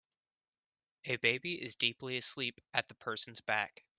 A baby is deeply asleep at the person 's back.